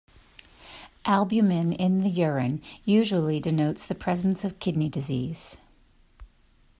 Albumin in the urine usually denotes the presence of kidney disease.